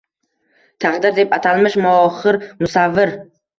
Taqdir deb atalmish moxir musavvir